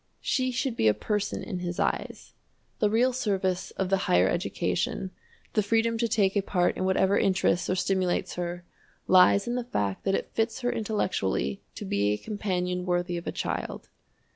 She should be a person in his eyes. The real service of the "higher education," the freedom to take a part in whatever interests or stimulates her lies in the fact that it fits her intellectually to be a companion worthy of a child.